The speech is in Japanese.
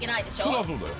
そりゃそうだよ。